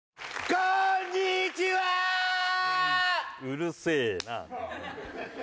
うるせえな。